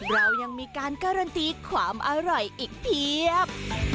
เรายังมีการการันตีความอร่อยอีกเพียบ